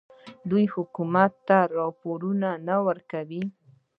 آیا دوی حکومت ته راپورونه نه ورکوي؟